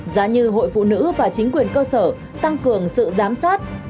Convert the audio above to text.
giá như hội phụ nữ và chính quyền cơ sở tăng cường sự giám sát